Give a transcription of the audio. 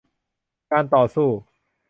การต่อสู้